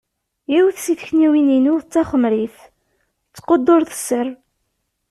Yiwet seg takniwin-inu d taxemrit, tettqudur d sser.